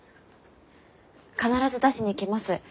必ず出しに来ます。